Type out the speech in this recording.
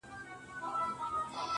ستا سندريز روح چي په موسکا وليد، بل